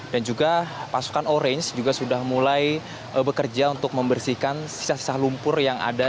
dan juga pasukan orange juga sudah mulai bekerja untuk membersihkan sisa sisa lumpur yang ada